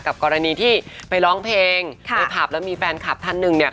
กรณีที่ไปร้องเพลงในผับแล้วมีแฟนคลับท่านหนึ่งเนี่ย